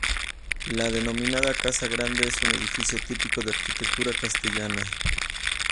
La denominada Casa grande es un edificio típico de arquitectura castellana.